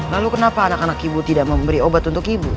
lalu kenapa anak anak ibu tidak memberi obat untuk ibu